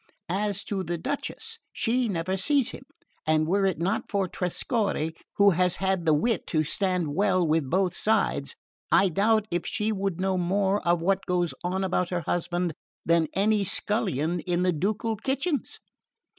As to the Duchess, she never sees him; and were it not for Trescorre, who has had the wit to stand well with both sides, I doubt if she would know more of what goes on about her husband than any scullion in the ducal kitchens."